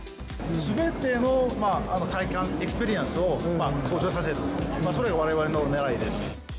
すべての体験、エスピリティーを向上させる、それがわれわれのねらいです。